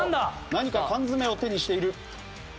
何か缶詰を手にしている。